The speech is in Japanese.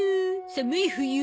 寒い冬。